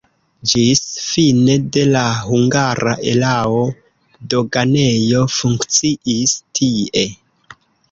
Ĝis fine de la hungara erao doganejo funkciis tie.